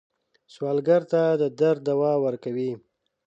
سوالګر ته د درد دوا ورکوئ